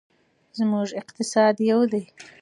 زموږ اقتصاد یو دی.